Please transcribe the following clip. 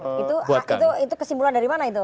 itu kesimpulan dari mana itu